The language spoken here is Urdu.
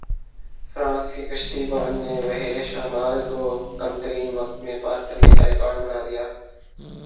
فرانس کے کشتی بان نے بحیرہ شمال کو کم ترین وقت میں پار کرنے کا ریکارڈ بنا دیا